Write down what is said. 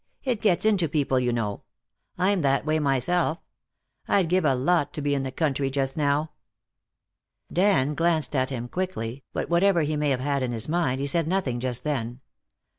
It gets into people, you know. I'm that way myself. I'd give a lot to be in the country just now." Dan glanced at him quickly, but whatever he may have had in his mind, he said nothing just then.